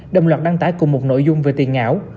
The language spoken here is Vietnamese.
đồng loạt đăng tải cùng một nội dung về tiền ảo